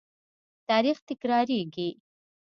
تاریخ تکرارېږي.